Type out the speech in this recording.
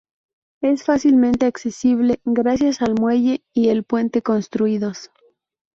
Es fácilmente accesible gracias al muelle y el puente construidos.